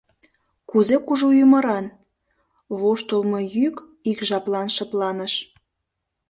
— Кузе кужу ӱмыран? — воштылмо йӱк ик жаплан шыпланыш.